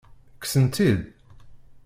Kksen-tt-id?